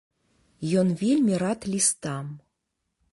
Ён вельмі рад лістам.